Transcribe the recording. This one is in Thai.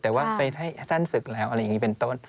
แต่ว่าไปให้ท่านศึกแล้วอะไรอย่างนี้เป็นต้น